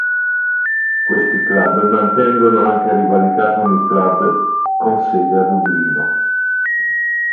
Questi club mantengono anche rivalità con i club con sede a Dublino.